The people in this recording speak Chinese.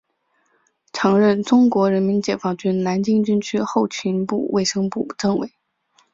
曾任中国人民解放军南京军区后勤部卫生部政委。